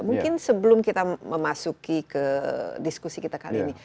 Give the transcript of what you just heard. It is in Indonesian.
mungkin sebelum kita memasuki ke diskusi kita kali ini